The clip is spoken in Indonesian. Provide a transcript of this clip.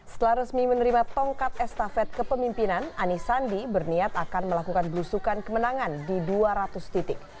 setelah resmi menerima tongkat estafet kepemimpinan anies sandi berniat akan melakukan belusukan kemenangan di dua ratus titik